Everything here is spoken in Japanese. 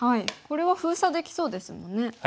これは封鎖できそうですもんね。